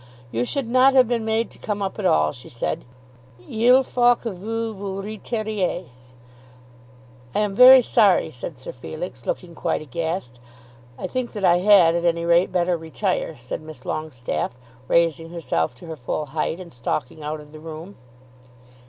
"You should not have been made to come up at all," she said. "Il faut que vous vous retirez." "I am very sorry," said Sir Felix, looking quite aghast. "I think that I had at any rate better retire," said Miss Longestaffe, raising herself to her full height and stalking out of the room.